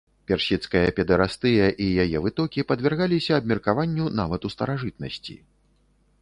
Персідская педэрастыя і яе вытокі падвяргаліся абмеркаванню нават у старажытнасці.